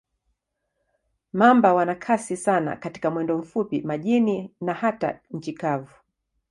Mamba wana kasi sana katika mwendo mfupi, majini na hata nchi kavu.